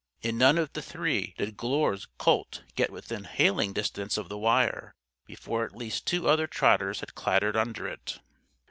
In none of the three did Glure's colt get within hailing distance of the wire before at least two other trotters had clattered under it.